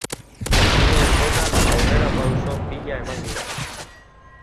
Hiru urtetan aurrerapauso pila eman dira.